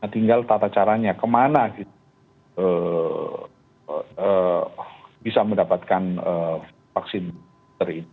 tinggal tata caranya kemana bisa mendapatkan vaksin booster ini